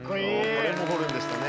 これもホルンでしたね。